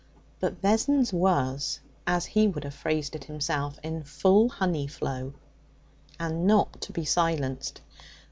But Vessons was, as he would have phrased it himself, 'in full honey flow,' and not to be silenced.